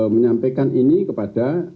menyampaikan ini kepada